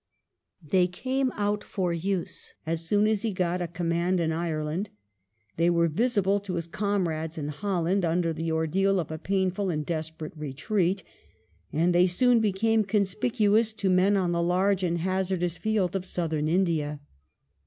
They came out for use as soon as he got a command in Ireland ; they were visible to his comrades in Holland imder the ordeal of a painful and desperate retreat ; and they soon became conspicuous to men on the large and hazardous field of Southern India.